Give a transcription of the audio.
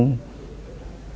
đối tượng đức cũng